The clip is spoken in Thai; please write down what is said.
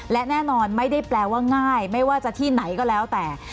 และแน่นอนไม่ได้แปลว่าง่ายไม่ว่าจะที่ไหนก็แล้วแต่